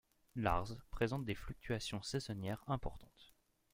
L'Arz présente des fluctuations saisonnières importantes.